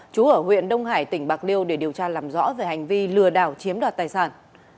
chú ở huyện đông hải tỉnh bạc liêu để điều tra làm rõ về hành vi lừa đảo chiếm đoạt tài sản